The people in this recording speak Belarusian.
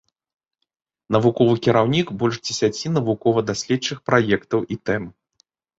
Навуковы кіраўнік больш дзесяці навукова-даследчых праектаў і тэм.